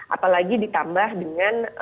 apalagi ditambah dengan